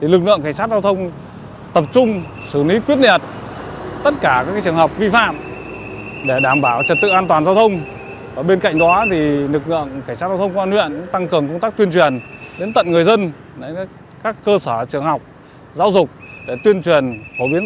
lực lượng cảnh sát giao thông tập trung xử lý quyết liệt tất cả các trường hợp vi phạm